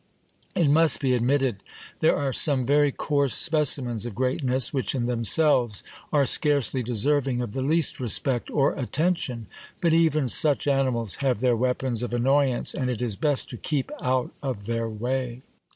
It must be admitted, there are' some very coarse specimens of greatness, which in themselves are scarcely deserving of the least respect or attention ; but even such animals have their weapons of annoy ance, and it is best to keep out of their way.